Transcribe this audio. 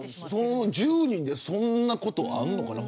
１０人でそんなことあんのかな。